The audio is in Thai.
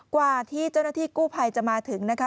กว่าที่เจ้าหน้าที่กู้ภัยจะมาถึงนะคะ